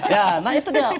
ya nah itu dia